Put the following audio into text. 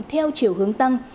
theo chiều hướng tăng